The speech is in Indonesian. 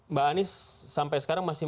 mbak anies sampai sekarang masih